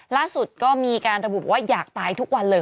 ล่าสุดก็มีการระบุว่าอยากตายทุกวันเลย